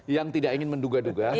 yang tidak ingin menduga duga